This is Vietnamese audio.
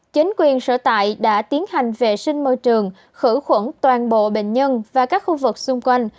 chính quyền sở tại đã tiến hành vệ sinh môi trường khử khuẩn toàn bộ bệnh nhân và các khu vực xung quanh